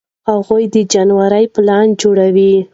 هغوی د جنورۍ پلان جوړوي.